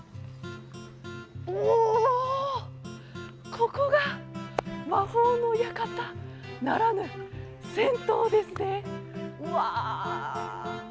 ここが魔法の館ならぬ銭湯ですね、うわ。